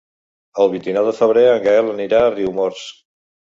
El vint-i-nou de febrer en Gaël anirà a Riumors.